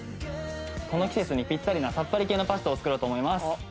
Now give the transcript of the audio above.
この季節にピッタリなさっぱり系のパスタを作ろうと思います。